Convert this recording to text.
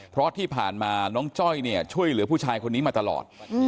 เพราะที่ผ่านมาน้องจ้อยเนี่ยช่วยเหลือผู้ชายคนนี้มาตลอด